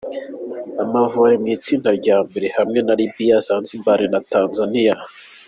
Amavubi ari mu itsinda rya mbere hamwe na Libya, Zanzibar na Tanzania.